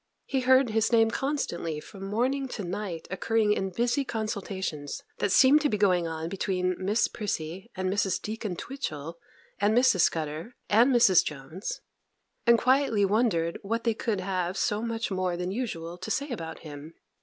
He heard his name constantly from morning to night occurring in busy consultations that seemed to be going on between Miss Prissy, and Mrs. Deacon Twitchel, and Mrs. Scudder, and Mrs. Jones, and quietly wondered what they could have so much more than usual to say about him.